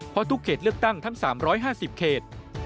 เพราะทุกเขตเลือกตั้งทั้ง๓๕๐เขต